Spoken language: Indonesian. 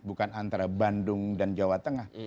bukan antara bandung dan jawa tengah